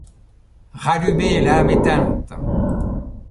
Rallumez l’âme éteinte!